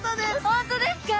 本当ですか？